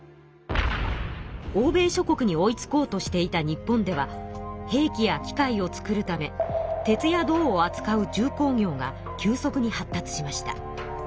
欧米諸国に追いつこうとしていた日本では兵器や機械を作るため鉄や銅をあつかう重工業が急速に発達しました。